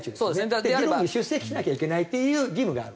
議論に出席しなきゃいけないっていう義務がある。